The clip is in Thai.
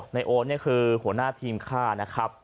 ไนโอคือหัวหน้าทีมฆ่านะครับ